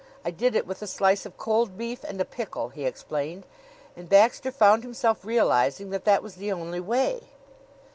"I did it with a slice of cold beef and a pickle," he explained; and Baxter found himself realizing that that was the only way.